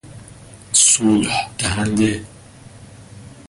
صلح دهنده